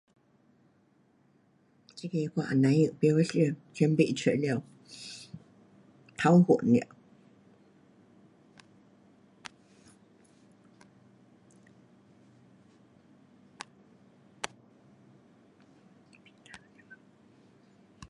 这个我也甭晓，不晓想，想不得出了，头晕了。